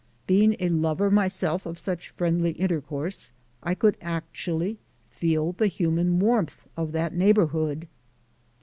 Being a lover myself of such friendly intercourse I could actually feel the hum and warmth of that neighbourhood.